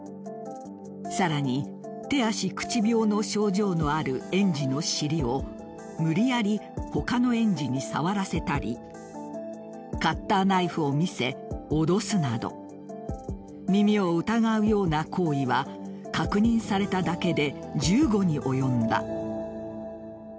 さらに手足口病の症状のある園児の尻を無理やり他の園児に触らせたりカッターナイフを見せ、脅すなど耳を疑うような行為は確認されただけで１５に及んだ。